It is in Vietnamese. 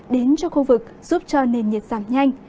đến cho khu vực giúp cho nền nhiệt giảm nhanh